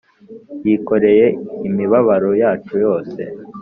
yikoreye imibabaro yacu yose